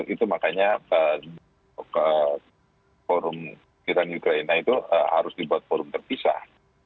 itu makanya forum iran ukraina itu harus dibuat forum terpisah